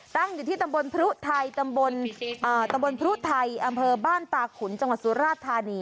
ตั้งอยู่ที่ตำบลพรุทัยอำเภอบ้านตาขุนจสุฬาธาณี